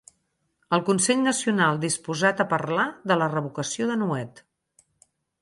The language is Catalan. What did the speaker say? El Consell Nacional disposat a parlar de la revocació de Nuet